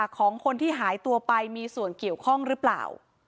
ของคนที่หายตัวไปมีส่วนเกี่ยวข้องหรือเปล่า